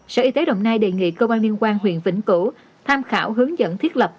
sở y tế đồng nai đề nghị cơ quan liên quan huyện vĩnh cửu tham khảo hướng dẫn thiết lập